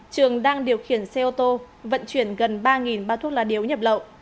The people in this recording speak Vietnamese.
trường đang điều khiển xe ô tô vận chuyển gần ba bao thuốc lá điếu nhập lậu